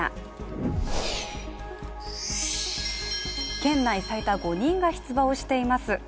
県内最多５人が出馬をしています。